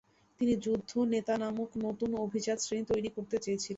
তিনি যুদ্ধ নেতা নামক নতুন অভিজাত শ্রেণী তৈরি করতে চেয়েছিলেন।